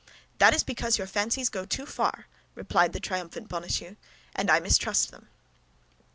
"That is because your fancies go too far," replied the triumphant Bonacieux, "and I mistrust them."